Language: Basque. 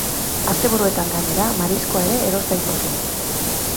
Asteburuetan, gainera, mariskoa ere eros daiteke.